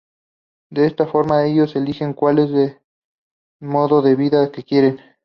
De esta forma, ellos eligen cuál es el modo de vida que quieren.